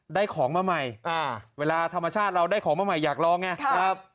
ได้ของมาใหม่เวลาธรรมชาติเราได้ของมาใหม่อยากลองไงครับ